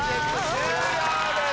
終了です！